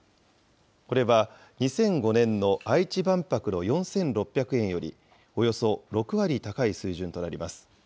これは２００５年の愛知万博の４６００円よりおよそ６割高い水準となります。